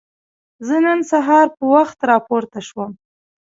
زه نن سهار په وخت راپورته شوم.